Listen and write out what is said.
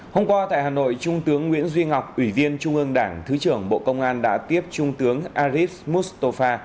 hôm qua tại hà nội trung tướng nguyễn duy ngọc ủy viên trung ương đảng thứ trưởng bộ công an đã tiếp trung tướng arif mustafa